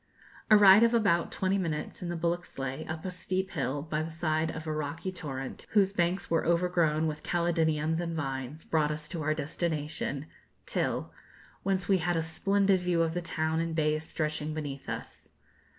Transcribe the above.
A ride of about twenty minutes in the bullock sleigh, up a steep hill, by the side of a rocky torrent, whose banks were overgrown with caladiums and vines, brought us to our destination, Til, whence we had a splendid view of the town and bay stretching beneath us.